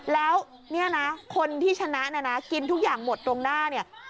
แล้วนี่นะคนที่ชนะกินทุกอย่างหมดตรงหน้า